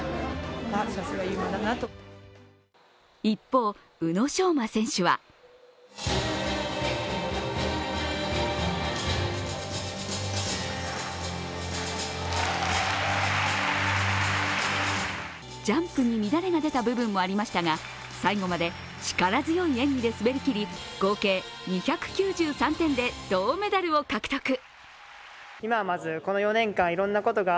一方、宇野昌磨選手はジャンプに乱れが出た部分もありましたが最後まで力強い演技で滑りきり合計２９３点で銅メダルを獲得。